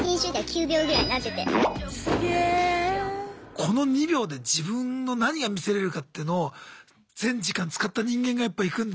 この２秒で自分の何が見せれるかっていうのを全時間使った人間がやっぱいくんだ。